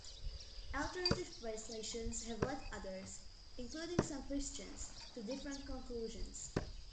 Alternative translations have led others, including some Christians, to different conclusions.